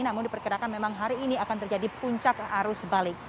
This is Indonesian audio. namun diperkirakan memang hari ini akan terjadi puncak arus balik